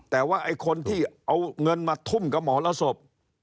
แต่ว่าไอ้คนที่เอาเงินมาทุ่มกับหมอละศพ